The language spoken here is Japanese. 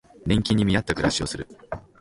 年金に見合った暮らしをする